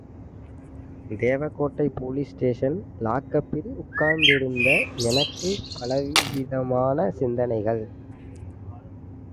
Devakottai police station லாக்கப்பில் உட்கார்ந்திருந்த எனக்குப் பலவிதமான சிந்தனைகள்.